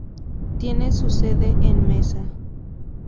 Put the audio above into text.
Tiene su sede en Mesa.